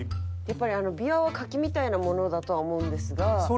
やっぱりびわは柿みたいなものだとは思うんですが。